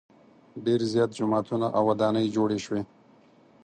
ډېر زیات جوماتونه او ودانۍ جوړې شوې.